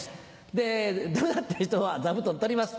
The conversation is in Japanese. でダメだった人は座布団取ります。